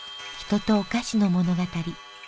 人とお菓子の物語。